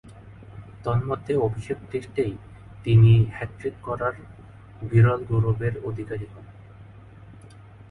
তন্মধ্যে, অভিষেক টেস্টেই তিনি হ্যাট্রিক করার বিরল গৌরবের অধিকারী হন।